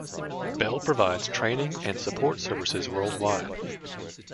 Bell provides training and support services worldwide.